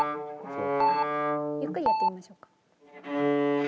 ゆっくりやってみましょうか。